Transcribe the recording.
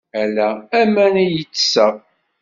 Ala aman ay ttesseɣ.